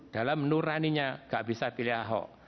dalam nuraninya gak bisa pilih ahok